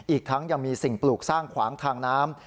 อีกทั้งยังมีสิ่งปลูกสร้างขวางทางน้ำ